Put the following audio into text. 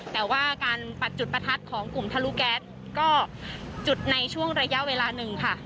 แต่ว่าการปัดจุดประทัดของกลุ่มทะลุแก๊สก็จุดในช่วงระยะเวลาหนึ่งค่ะ